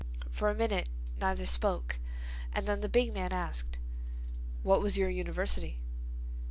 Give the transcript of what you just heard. For a minute neither spoke and then the big man asked: "What was your university?"